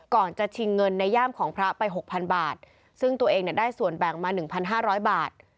จะชิงเงินในย่ามของพระไปหกพันบาทซึ่งตัวเองเนี่ยได้ส่วนแบ่งมา๑๕๐๐บาท